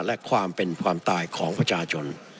และความเป็นความตายของประชาชน